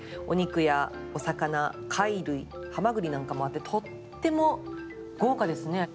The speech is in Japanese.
お肉やお魚貝類ハマグリなんかもあってとっても豪華ですね。